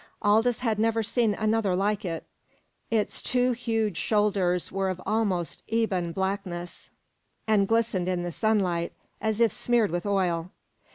Aldous had never seen another like it. Its two huge shoulders were of almost ebon blackness, and glistened in the sunlight as if smeared with oil.